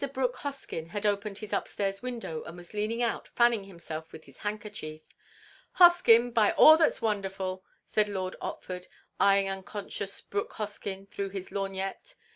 Brooke Hoskyn had opened his upstairs window and was leaning out, fanning himself with his handkerchief. "Hoskyn, by all that's wonderful!" said Lord Otford, eyeing unconscious Brooke Hoskyn through his lorgnette.